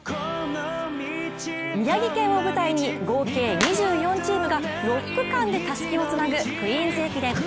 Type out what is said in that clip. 宮城県を舞台に、合計２４チームが６区間でたすきをつなぐクイーンズ駅伝。